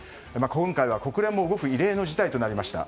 今回は、国連も動く異例の事態となりました。